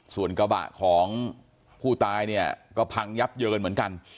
ส่วนกระบะของผู้ตายเนี่ยก็พังยับเยินเหมือนกัน